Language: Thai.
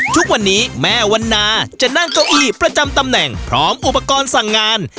ทุกวันนี้แม่วันนาจะนั่งเก้าอีหลีประจำตำแหน่งพร้อมอุปกรณ์สั่งงาน